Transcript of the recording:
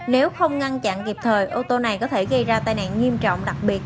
nếu không ngăn chặn kịp thời ô tô này có thể gây ra tai nạn nghiêm trọng đặc biệt